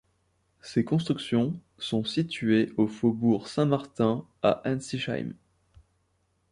Ces constructions sont situées au Faubourg Saint-Martin à Ensisheim.